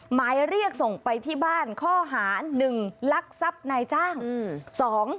หมายเรียกส่งไปที่บ้านข้อหา๑ลักทรัพย์นายจ้าง